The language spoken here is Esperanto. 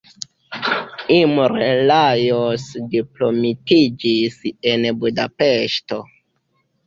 Imre Lajos diplomitiĝis en Budapeŝto.